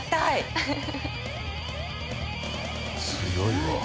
強いわ。